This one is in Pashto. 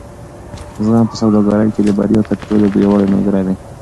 زغم په سوداګرۍ کې د بریا تر ټولو پیاوړی ملګری دی.